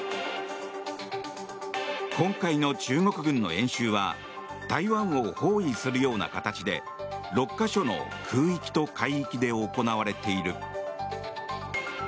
今回の中国軍の演習は台湾を包囲するような形で６か所の空域と海域で行われている。